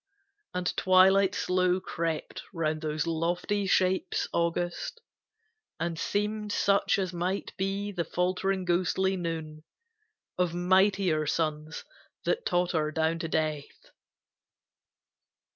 And twilight slow Crept round those lofty shapes august, and seemed Such as might be the faltering ghostly noon Of mightier suns that totter down to death.